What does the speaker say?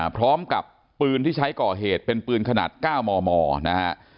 พร้อมกับปืนที่ใช้ก่อเหตุเป็นปืนขนาด๙มมนะฮะ